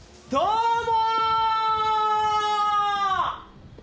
どうも！